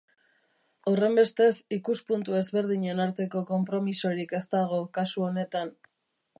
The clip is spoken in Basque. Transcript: Horrenbestez, ikuspuntu ezberdinen arteko konpromisorik ez dago kasu honetan.